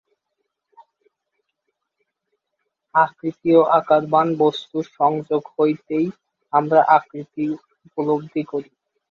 আকৃতি ও আকারবান বস্তুর সংযোগ হইতেই আমরা আকৃতি উপলব্ধি করি।